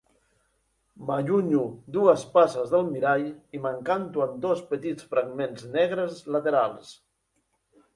M'allunyo dues passes del mirall i m'encanto amb dos petits fragments negres laterals.